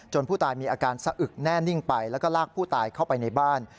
ผู้ตายมีอาการสะอึกแน่นิ่งไปแล้วก็ลากผู้ตายเข้าไปในบ้าน